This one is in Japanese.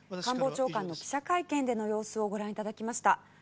官房長官の記者会見での様子をご覧頂きました。